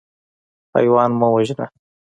حیوان مه وژنه.